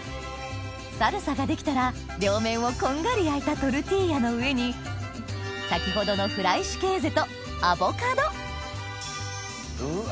サルサが出来たら両面をこんがり焼いたトルティーヤの上に先ほどのフライシュケーゼとアボカドうわ